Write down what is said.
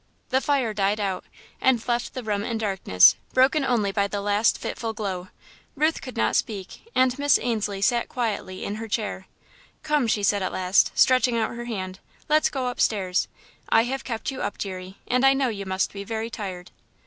The fire died out and left the room in darkness, broken only by the last fitful glow. Ruth could not speak, and Miss Ainslie sat quietly in her chair. "Come," she said at last, stretching out her hand, "let's go upstairs. I have kept you up, deary, and I know you must be very tired."